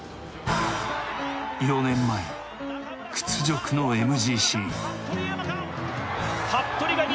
４年前、屈辱のＭＧＣ。